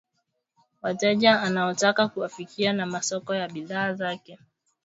Wateja anaotaka kuwafikia na masoko ya bidhaa zake